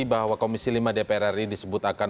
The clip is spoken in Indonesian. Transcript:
bahwa komisi lima dpr ri disebut akan